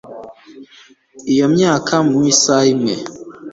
iyo myaka mu isaha imwe